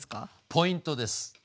ポイントです。